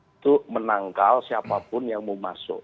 itu menangkal siapapun yang mau masuk